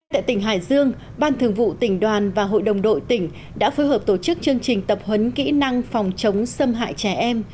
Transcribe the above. tại tỉnh hải dương ban thường vụ tỉnh đoàn và hội đồng đội tỉnh đã phối hợp tổ chức chương trình tập huấn kỹ năng phòng chống xâm hại trẻ em